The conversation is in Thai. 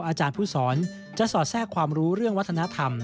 อาจารย์ผู้สอนจะสอดแทรกความรู้เรื่องวัฒนธรรม